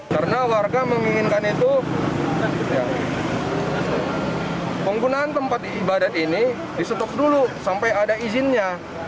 karena warga menginginkan itu penggunaan tempat ibadat ini disetup dulu sampai ada izinnya